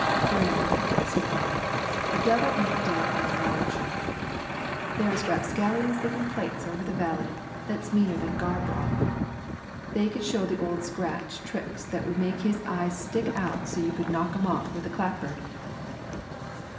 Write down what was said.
"Granny," said Ump, "the devil ain't dead by a long shot. There is rapscallions lickin' plates over the Valley that's meaner than gar broth. They could show the Old Scratch tricks that would make his eyes stick out so you could knock 'em off with a clapboard."